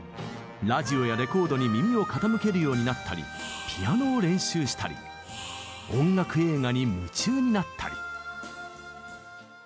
ラジオやレコードに耳を傾けるようになったりピアノを練習したり音楽映画に夢中になったり。